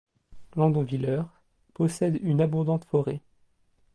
Landonvillers possède une abondante forêt.